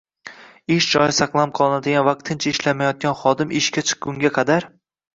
ish joyi saqlanib qolinadigan vaqtincha ishlamayotgan xodim ishga chiqqunga qadar